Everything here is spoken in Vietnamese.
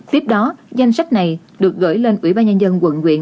tiếp đó danh sách này được gửi lên ủy ban nhân dân quận quyện